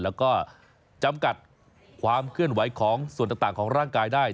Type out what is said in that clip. แล้วก็จำกัดความเคลื่อนไหวของส่วนต่างของร่างกายได้